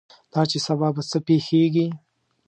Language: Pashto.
دا چې سبا به څه پېښېږي.